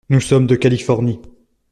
Nous sommes de Californie.